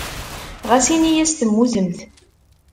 Ɣas in-as temmutemt.